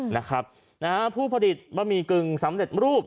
นะฮะนะฮะผู้ผลิตบะหมี่กึ่งสำเร็จรูป